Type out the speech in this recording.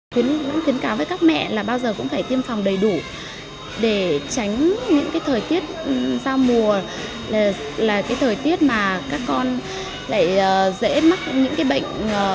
chuyên cáo với các mẹ là bao giờ cũng phải tiêm phòng đầy đủ để tránh những cái thời tiết giao mùa là cái thời tiết mà các con lại dễ mắc những cái bệnh